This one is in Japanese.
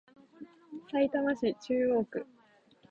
さいたま市中央区